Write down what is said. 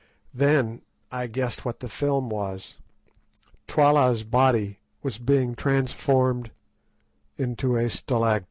Then I guessed what the film was—_Twala's body was being transformed into a stalactite.